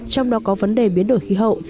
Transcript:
trong đó có vấn đề biến đổi khí hậu